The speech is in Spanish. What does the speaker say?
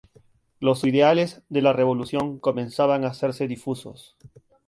Los ideales de la Revolución comenzaban a hacerse difusos.